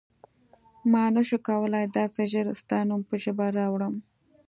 ما نه شو کولای داسې ژر ستا نوم په ژبه راوړم.